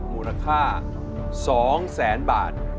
มูลค่า๒แสนบาท